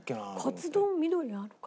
カツ丼緑あるか。